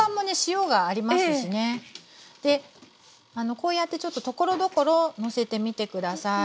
こうやってちょっとところどころのせてみて下さい。